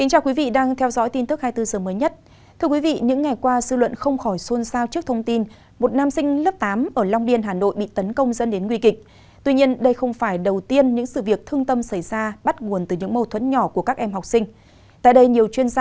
hãy đăng ký kênh để ủng hộ kênh của chúng mình nhé